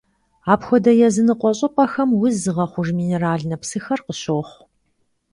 Апхуэдэу языныкъуэ щӀыпӀэхэм уз зыгъэхъуж минеральнэ псыхэр къыщохъу.